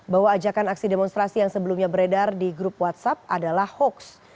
bahwa ajakan aksi demonstrasi yang sebelumnya beredar di grup whatsapp adalah hoax